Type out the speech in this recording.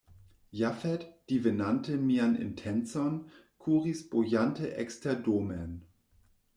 Jafet, divenante mian intencon, kuris bojante eksterdomen.